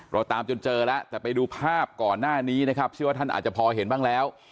เราตามจนเจอแล้วแต่ไปดูภาพก่อนหน้านี้นะครับเชื่อว่าท่านอาจจะพอเห็นบ้างแล้ว